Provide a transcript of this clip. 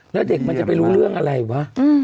ว่าจะไปรู้เรื่องอะไรว่ะ